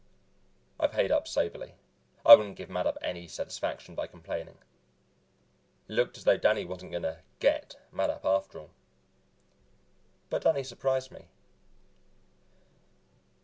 I paid up soberly; I wouldn't give Mattup any satisfaction by complaining. It looked as though Danny wasn't going to "get" Mattup after all. But Danny surprised me.